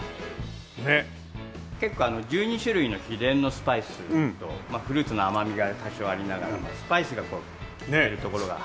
１２種類の秘伝のスパイスとフルーツの甘みが多少ありながらもスパイスが利いてるところが。